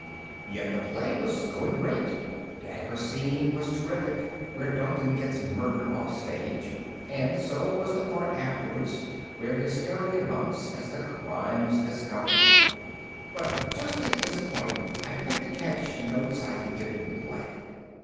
Yes, the play was going great. The Dagger Scene was terrific where Duncan gets murdered offstage, and so was the part afterwards where hysteria mounts as the crime's discovered. But just at this point I began to catch notes I didn't like.